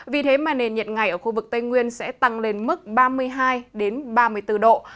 vì thế mà nền nhiệt ngày ở khu vực tây nguyên sẽ tăng lên mức ba mươi hai ba mươi bốn độ